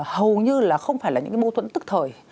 hầu như là không phải là những cái mâu thuẫn tức thời